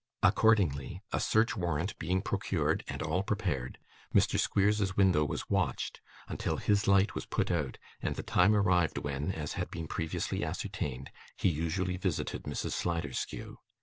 Accordingly, a search warrant being procured, and all prepared, Mr Squeers's window was watched, until his light was put out, and the time arrived when, as had been previously ascertained, he usually visited Mrs. Sliderskew.